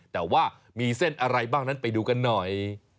แต่ว่ามีเส้นอะไรบ้างนั้นไปดูกันหน่อย